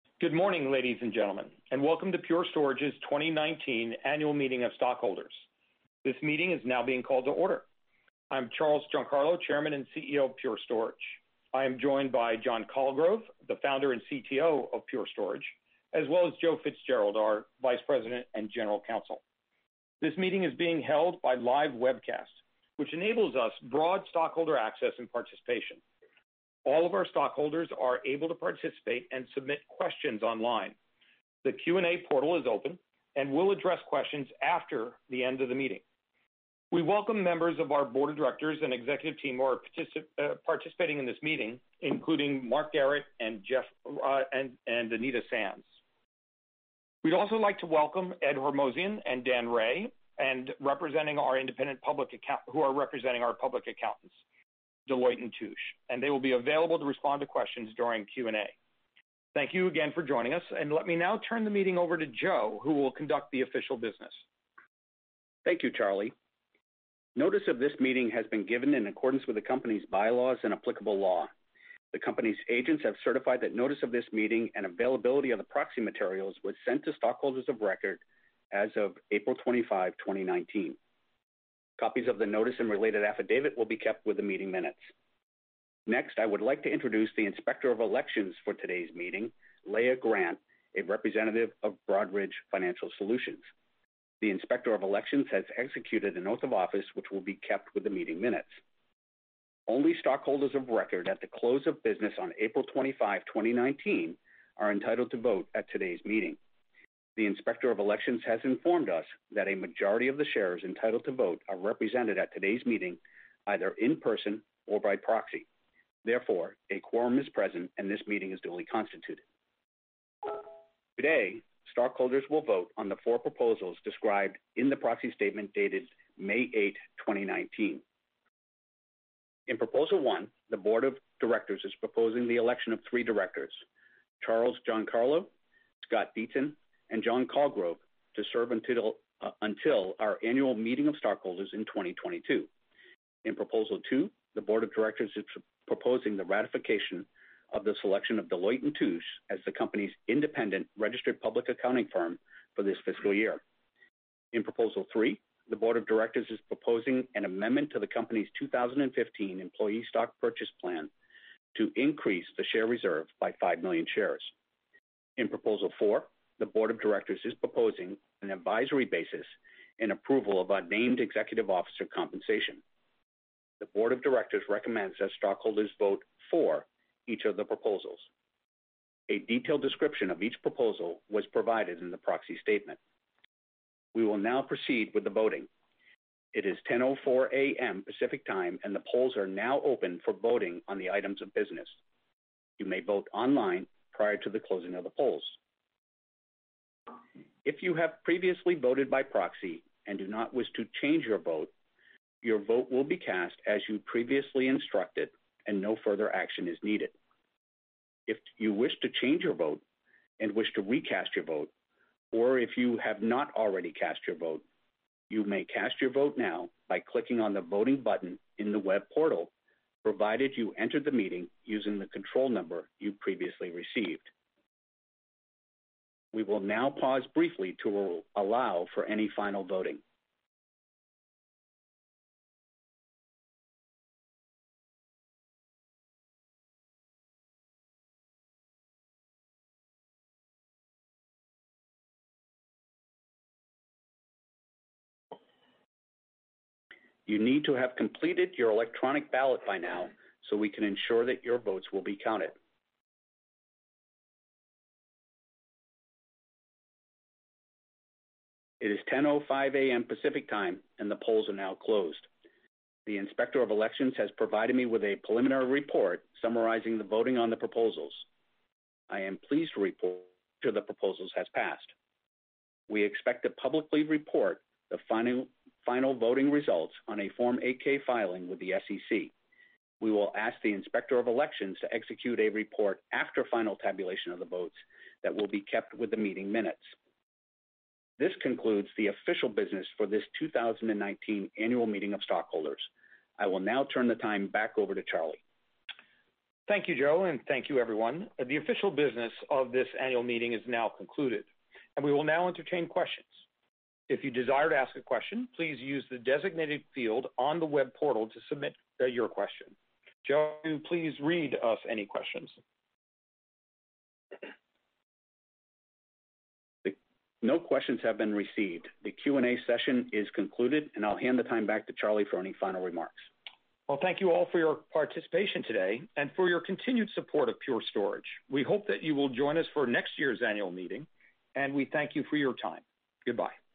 Good morning, ladies and gentlemen, welcome to Pure Storage's 2019 Annual Meeting of Stockholders. This meeting is now being called to order. I'm Charles Giancarlo, Chairman and CEO of Pure Storage. I am joined by John Colgrove, the Founder and CTO of Pure Storage, as well as Joseph FitzGerald, our Vice President and General Counsel. This meeting is being held by live webcast, which enables us broad stockholder access and participation. All of our stockholders are able to participate and submit questions online. The Q&A portal is open. We'll address questions after the end of the meeting. We welcome members of our board of directors and executive team who are participating in this meeting, including Mark Garrett and Anita Sands. We'd also like to welcome Ed Hormozian and Dan Ray, who are representing our public accountants, Deloitte & Touche. They will be available to respond to questions during Q&A. Thank you again for joining us. Let me now turn the meeting over to Joe, who will conduct the official business. Thank you, Charlie. Notice of this meeting has been given in accordance with the company's bylaws and applicable law. The company's agents have certified that notice of this meeting and availability of the proxy materials was sent to stockholders of record as of April 25, 2019. Copies of the notice and related affidavit will be kept with the meeting minutes. Next, I would like to introduce the Inspector of Elections for today's meeting, Leia Grant, a representative of Broadridge Financial Solutions. The Inspector of Elections has executed an oath of office which will be kept with the meeting minutes. Only stockholders of record at the close of business on April 25, 2019, are entitled to vote at today's meeting. The Inspector of Elections has informed us that a majority of the shares entitled to vote are represented at today's meeting, either in person or by proxy. Therefore, a quorum is present. This meeting is duly constituted. Today, stockholders will vote on the four proposals described in the proxy statement dated May 8, 2019. In Proposal 1, the board of directors is proposing the election of three directors, Charles Giancarlo, Scott Dietzen, and John Colgrove, to serve until our annual meeting of stockholders in 2022. In Proposal 2, the board of directors is proposing the ratification of the selection of Deloitte & Touche as the company's independent registered public accounting firm for this fiscal year. In Proposal 3, the board of directors is proposing an amendment to the company's 2015 Employee Stock Purchase Plan to increase the share reserve by five million shares. In Proposal 4, the board of directors is proposing an advisory basis and approval of a named executive officer compensation. The board of directors recommends that stockholders vote for each of the proposals. A detailed description of each proposal was provided in the proxy statement. We will now proceed with the voting. It is 10:04 A.M. Pacific Time, and the polls are now open for voting on the items of business. You may vote online prior to the closing of the polls. If you have previously voted by proxy and do not wish to change your vote, your vote will be cast as you previously instructed and no further action is needed. If you wish to change your vote and wish to recast your vote, or if you have not already cast your vote, you may cast your vote now by clicking on the voting button in the web portal, provided you enter the meeting using the control number you previously received. We will now pause briefly to allow for any final voting. You need to have completed your electronic ballot by now so we can ensure that your votes will be counted. It is 10:05 A.M. Pacific Time, and the polls are now closed. The Inspector of Elections has provided me with a preliminary report summarizing the voting on the proposals. I am pleased to report that the proposals have passed. We expect to publicly report the final voting results on a Form 8-K filing with the SEC. We will ask the Inspector of Elections to execute a report after final tabulation of the votes that will be kept with the meeting minutes. This concludes the official business for this 2019 annual meeting of stockholders. I will now turn the time back over to Charlie. Thank you, Joe, and thank you, everyone. The official business of this annual meeting is now concluded. We will now entertain questions. If you desire to ask a question, please use the designated field on the web portal to submit your question. Joe, please read us any questions. No questions have been received. The Q&A session is concluded. I'll hand the time back to Charlie for any final remarks. Well, thank you all for your participation today and for your continued support of Pure Storage. We hope that you will join us for next year's annual meeting, and we thank you for your time. Goodbye.